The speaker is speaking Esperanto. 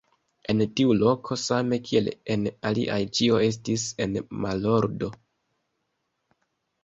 En tiu loko, same kiel en aliaj, ĉio estis en malordo.